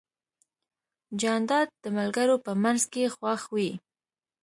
جانداد د ملګرو په منځ کې خوښ وي.